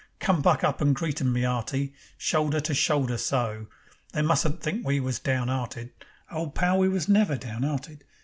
Come! Buck up and greet 'em, my 'earty, Shoulder to shoulder so. They mustn't think we was down 'earted. Old pal, we was never down 'earted.